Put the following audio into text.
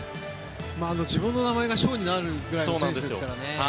自分の名前が賞になるくらいの選手ですからね。